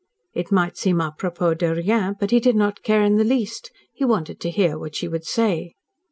It might seem a propos de rien, but he did not care in the least. He wanted to hear what she would say.